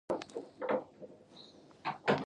مولوي سیف الرحمن ناڅاپه ورک شو.